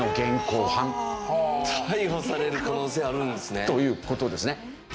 逮捕される可能性あるんですね。という事ですね。